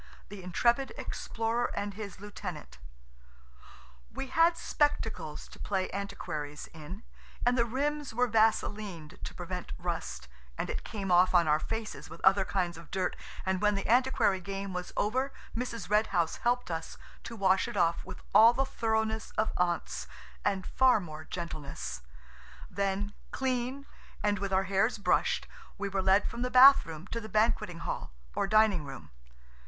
THE INTREPID EXPLORER AND HIS LIEUTENANT WE had spectacles to play antiquaries in, and the rims were vaselined to prevent rust, and it came off on our faces with other kinds of dirt, and when the antiquary game was over Mrs. Red House helped us to wash it off with all the thoroughness of aunts, and far more gentleness. Then, clean and with our hairs brushed, we were led from the bath room to the banqueting hall or dining room.